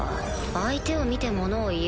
相手を見て物を言えよ。